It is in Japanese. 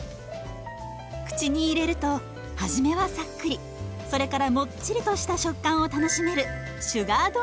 口に入れると初めはさっくりそれからもっちりとした食感を楽しめるシュガードーナツです。